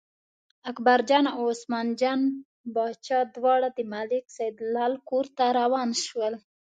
اکبرجان او عثمان جان باچا دواړه د ملک سیدلال کور ته روان شول.